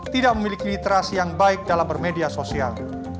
tidak memiliki literasi yang baik dalam bermedia sosial